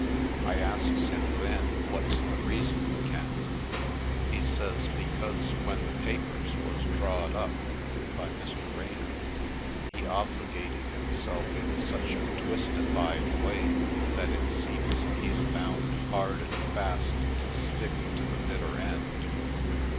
I asks him then what's the reason he can't? He says because when the papers was drawed up — by Mr. Raynor — he obligated himself in such a twistified way that it seems he's bound hard and fast to stick to the bitter end.